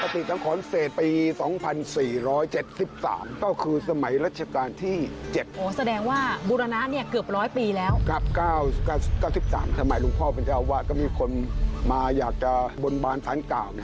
ทำไมหลวงพ่อประชาวะก็มีคนมาอยากเบนบรรสั้งเก่า